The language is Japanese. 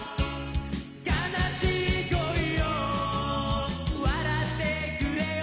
「悲しい恋を笑ってくれよ」